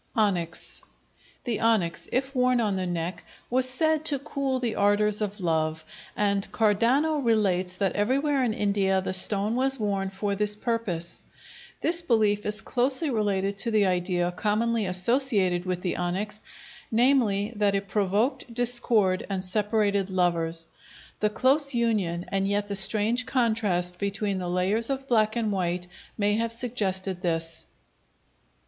Onyx The onyx, if worn on the neck, was said to cool the ardors of love, and Cardano relates that everywhere in India the stone was worn for this purpose. This belief is closely related to the idea commonly associated with the onyx,—namely, that it provoked discord and separated lovers. The close union and yet the strange contrast between the layers of black and white may have suggested this.